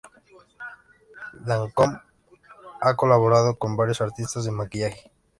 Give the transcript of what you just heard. Lancôme ha colaborado con varios artistas de maquillaje.